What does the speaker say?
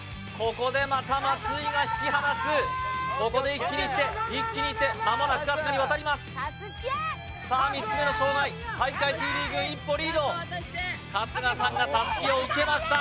ここでまた松井が引き離すここで一気にいって一気にいって間もなく春日に渡りますさあ３つ目の障害体育会ＴＶ軍一歩リード春日さんがタスキを受けました